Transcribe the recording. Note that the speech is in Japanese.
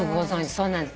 そうなんです。